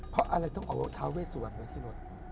เพราะอะไรต้องเอาท้าเวสวันไว้ที่รถ